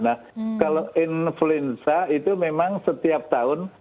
nah kalau influenza itu memang setiap tahun